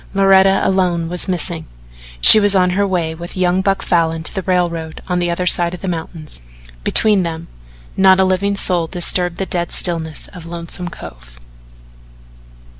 Loretta alone was missing. She was on her way with young Buck Falin to the railroad on the other side of the mountains. Between them not a living soul disturbed the dead stillness of Lonesome Cove.